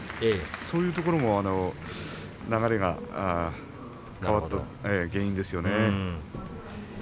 そういうところも流れが変わった原因ですね。